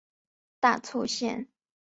大凑线。